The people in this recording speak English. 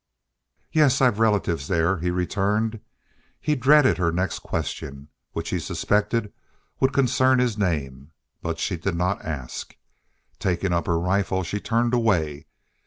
"Yes; I've relatives there," he returned. He dreaded her next question, which he suspected would concern his name. But she did not ask. Taking up her rifle she turned away.